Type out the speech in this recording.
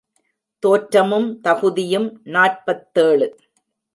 தோற்றமும் தகுதியும் நாற்பத்தேழு.